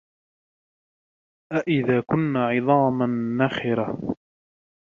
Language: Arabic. أإذا كنا عظاما نخرة